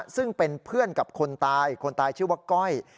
ซึ่งเป็นเพื่อนกับคนตายคนตายชื่อว่าก้อย